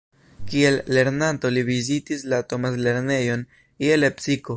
Kiel lernanto li vizitis la Thomas-lernejon je Lepsiko.